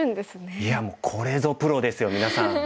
いやもうこれぞプロですよみなさん。